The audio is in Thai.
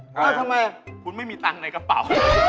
แล้วทำไมครับคุณไม่มีตังค์ในกระเป๋า